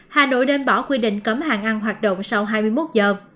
hà nội đem bỏ quy định cấm hàng ăn hoạt động sau hai mươi một giờ